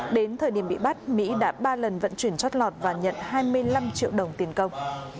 đến thời điểm bị bắt mỹ đã ba lần vận chuyển chót lọt và nhận hai mươi năm triệu đồng tiền công